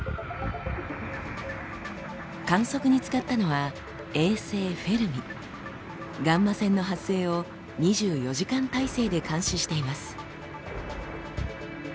観測に使ったのはガンマ線の発生を２４時間体制で監視しています。